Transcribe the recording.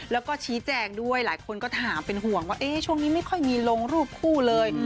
แล้วก็ชี้แจงด้วยหลายคนก็ถามเป็นห่วงว่าช่วงนี้ไม่ค่อยมีลงรูปคู่เลย